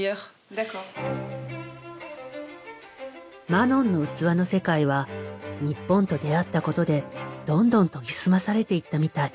マノンの器の世界は日本と出会ったことでどんどん研ぎ澄まされていったみたい。